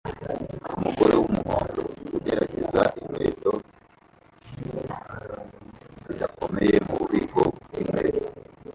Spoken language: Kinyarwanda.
Umugore wumuhondo ugerageza inkweto zidakomeye mububiko bwinkweto